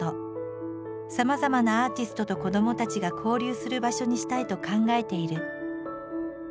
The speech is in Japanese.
さまざまなアーティストと子どもたちが交流する場所にしたいと考えている。